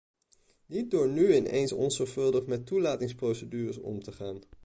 Niet door nu ineens onzorgvuldig met toelatingsprocedures om te gaan.